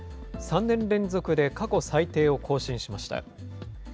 ３年連続で過去最低を更新しました。